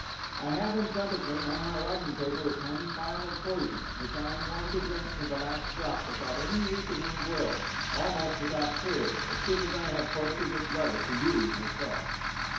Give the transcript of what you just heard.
_ _I have in front of me, on my writing table, a tiny phial of poison which I am going to drink to the last drop, without any weakening of will, almost without fear, as soon as I have posted this letter to you myself.